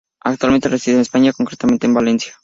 Actualmente reside en España, concretamente en Valencia.